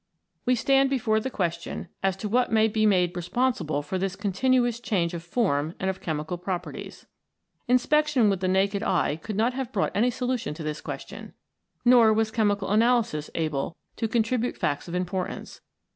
We stand before the question as to what may be made responsible for this continuous change of form and of chemical properties. Inspection with the naked eye could not have brought any solution of this question. Nor was chemical analysis able to contribute facts of importance.